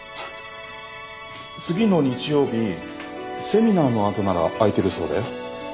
次の日曜日セミナーのあとなら空いてるそうだよ。